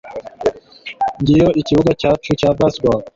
ngiyo ikibuga cyacu cya baseball